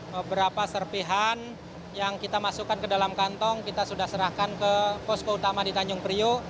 beberapa serpihan yang kita masukkan ke dalam kantong kita sudah serahkan ke posko utama di tanjung priok